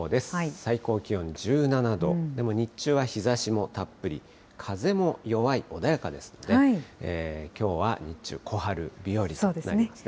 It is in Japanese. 最高気温１７度、でも日中は日ざしもたっぷり、風も弱い、穏やかですので、きょうは日中、小春日和ですね。